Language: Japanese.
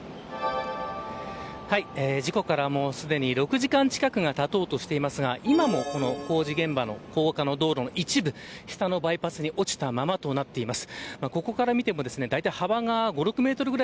事故からすでに６時間近くがたとうとしてますが今も工事現場の高架道路の一部下のバイパスに落ちたままとなっています。